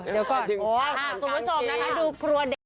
เดี๋ยวก่อน